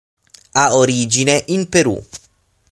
Ha origine in Perù.